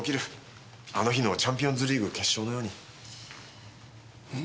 あの日のチャンピオンズリーズ決勝のように。